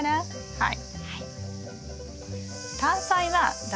はい。